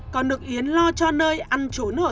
còn được yến lo cho nơi ăn trốn ở sáng trọng